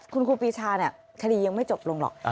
คุณครูปีชาเนี่ยคดียังไม่จบลงหรอก